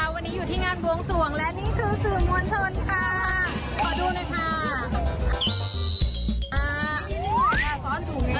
วันนี้อยู่ที่งานบวงสวงและนี่คือสื่อมวลชนค่ะขอดูหน่อยค่ะ